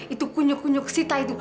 itu kunyuk kunyuk sita itu